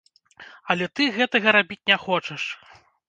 Але ты гэтага рабіць не хочаш!